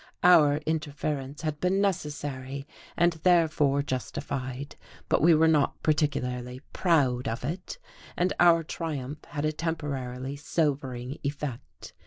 Our interference had been necessary and therefore justified, but we were not particularly proud of it, and our triumph had a temporarily sobering effect.